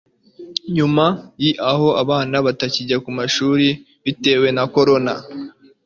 nyuma y'aho abana batakijya ku mashuri, bitewe na korona